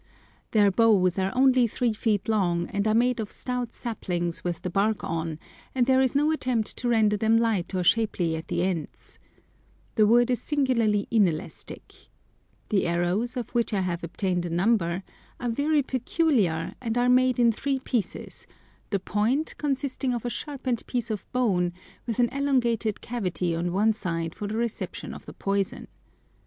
Their bows are only three feet long, and are made of stout saplings with the bark on, and there is no attempt to render them light or shapely at the ends. The wood is singularly inelastic. The arrows (of which I have obtained a number) are very peculiar, and are made in three pieces, the point consisting of a sharpened piece of bone with an elongated cavity on one side for the reception of the poison.